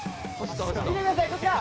見てくださいこちら！